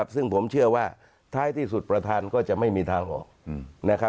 ซึ่งผมเชื่อว่าท้ายที่สุดประธานก็จะไม่มีทางออก